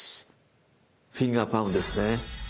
フィンガー・パームですね。